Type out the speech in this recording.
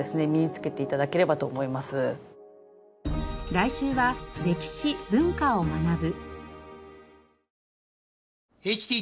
来週は歴史・文化を学ぶ。